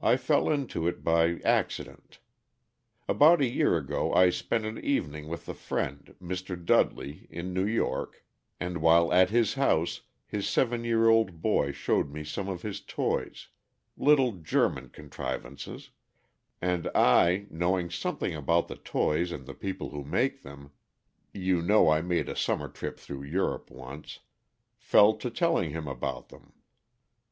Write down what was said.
I fell into it by accident. About a year ago I spent an evening with a friend, Mr. Dudley, in New York, and while at his house his seven year old boy showed me some of his toys little German contrivances; and I, knowing something about the toys and the people who make them you know I made a summer trip through Europe once fell to telling him about them.